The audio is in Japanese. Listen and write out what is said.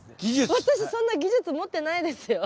私そんな技術持ってないですよ。